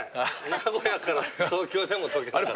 名古屋から東京でも溶けない。